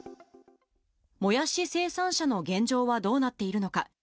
もやし生産者の現状はどうなっているのか。